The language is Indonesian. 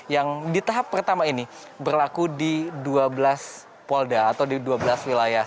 yang di tahap pertama ini berlaku di dua belas polda atau di dua belas wilayah